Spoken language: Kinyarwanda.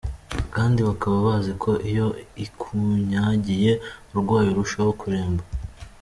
Kandi bakaba bazi ko iyo ikunyagiye urwaye urushaho kuremba, .